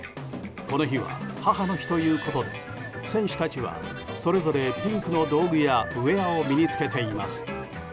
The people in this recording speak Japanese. この日は母の日ということで選手たちはそれぞれ、ピンクの道具やウェアを身に着けています。